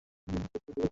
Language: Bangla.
কোন সমস্যা, কুমার?